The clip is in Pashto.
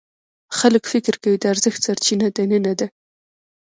خلک فکر کوي د ارزښت سرچینه دننه ده.